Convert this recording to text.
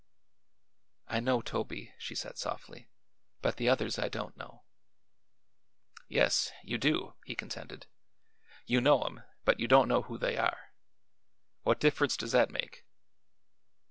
"I know Toby," she said softly; "but the others I don't know." "Yes; you do," he contended. "You know 'em, but you don't know who they are. What diff'rence does that make?"